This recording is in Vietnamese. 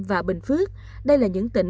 và bình phước đây là những tỉnh